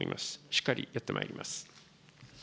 しっかりやってまいります。